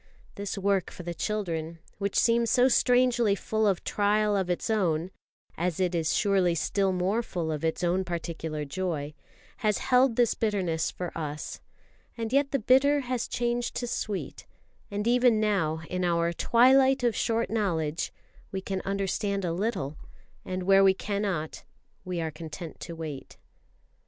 This work for the children, which seems so strangely full of trial of its own (as it is surely still more full of its own particular joy), has held this bitterness for us, and yet the bitter has changed to sweet; and even now in our "twilight of short knowledge" we can understand a little, and where we cannot we are content to wait.